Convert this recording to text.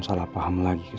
saya harus berhati hati